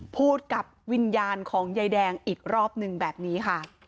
พูดกับวิญญาณของยายแดงอีกรอบหนึ่งแบบนี้ค่ะ